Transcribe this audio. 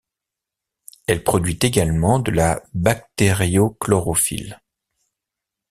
Elle produit également de la bactériochlorophylle.